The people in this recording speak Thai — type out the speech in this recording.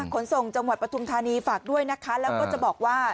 ขนส่งจังหวัดปฐุมธานีฝากด้วยนะคะแล้วก็จะบอกว่า